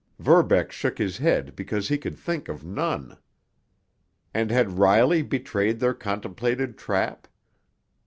Verbeck shook his head because he could think of none. And had Riley betrayed their contemplated trap?